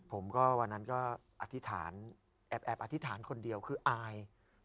ผมวันนั้นก็แอบอธิษฐานคนเดียวคืออาย